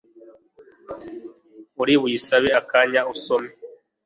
Uri buyisabe akanya usome